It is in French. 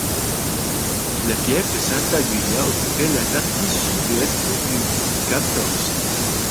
La pieve de Santa Giulia occupait la partie sud-ouest du Cap Corse.